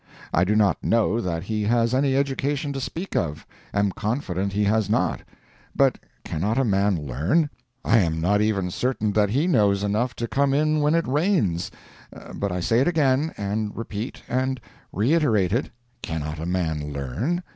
I do not know that he has any education to speak of—am confident he has not—but cannot a man learn? I am not even certain that he knows enough to come in when it rains, but I say it again, and repeat and reiterate it, cannot a man learn?